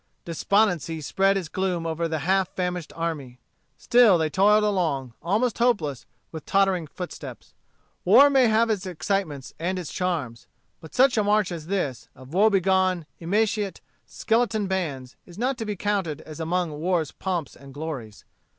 Despondency spread its gloom over the half famished army. Still they toiled along, almost hopeless, with tottering footsteps. War may have its excitements and its charms. But such a march as this, of woe begone, emaciate, skeleton bands, is not to be counted as among war's pomps and glories.